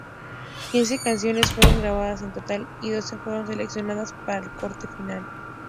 Quince canciones fueron grabadas en total y doce fueron seleccionadas para el corte final.